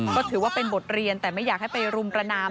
ก็ถือว่าเป็นบทเรียนแต่ไม่อยากให้ไปรุมประนาม